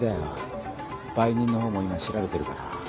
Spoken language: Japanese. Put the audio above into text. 売人の方も今調べてるから。